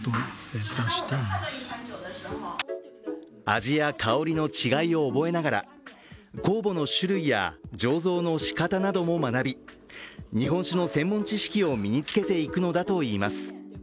味や香りの違いを覚えながら酵母の種類や醸造のしかたなども学び日本酒の専門知識を身につけていくのだといいます。